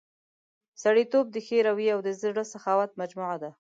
سړیتوب د ښې رويې او د زړه سخاوت مجموعه ده.